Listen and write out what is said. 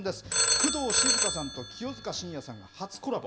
工藤静香さんと清塚信也さんが初コラボ。